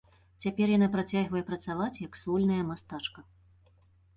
Цяпер яна працягвае працаваць як сольная мастачка.